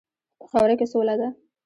په خاوره کې سوله ده.